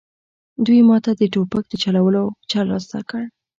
دوی ماته د ټوپک د چلولو چل را زده کړ